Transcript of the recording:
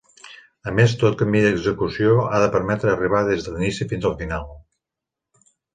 A més, tot camí d'execució ha de permetre arribar des de l'inici fins al final.